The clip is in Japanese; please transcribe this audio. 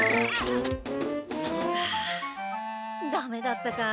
そうかダメだったか。